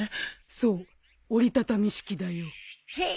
そう折り畳み式だよ。へえ。